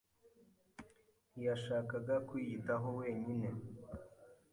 ntiyashakaga kwiyitaho wenyine.